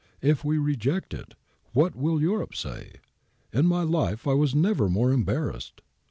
If we reject it, what will Europe say ? In my life I was never more embarrassed.'